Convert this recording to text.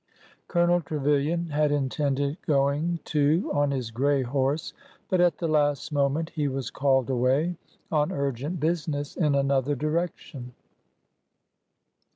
Colonel Trevilian had intended going too on his gray horse, but at the last moment he was called away on ur gent business in another direction.